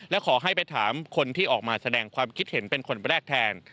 และขอให้ไปถามคนที่ออกมาแสดงความคิดเห็นเป็นคนแรกแทน